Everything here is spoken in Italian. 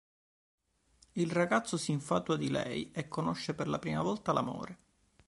Il ragazzo si infatua di lei e conosce per la prima volta l'amore.